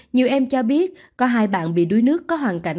nhiều em cho biết có hai bạn bị đuối nước có hoàn cảnh